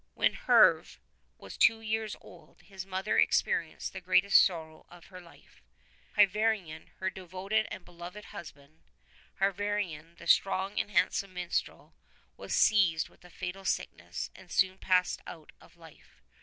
When Herve was two years old his mother experienced the greatest sorrow of her life. Hyvarnion, her devoted and beloved husband, Hyvarnion, the strong and handsome minstrel, was seized with a fatal sickness and soon passed out of life.